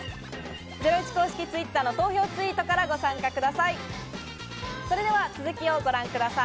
ゼロイチ公式Ｔｗｉｔｔｅｒの投票ツイートからご参加ください。